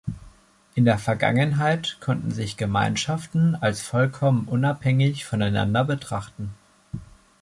In der Vergangenheit konnten sich Gemeinschaften als vollkommen unabhängig voneinander betrachten.